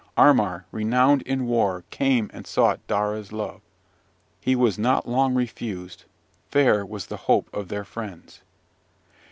Armar, renowned in war, came and sought Daura's love. He was not long refused: fair was the hope of their friends.